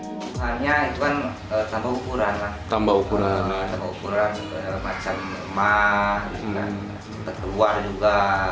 tumpuhannya itu kan tambah ukuran macam emak petua juga